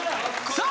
さあ